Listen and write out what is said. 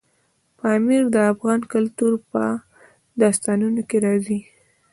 پامیر د افغان کلتور په داستانونو کې راځي.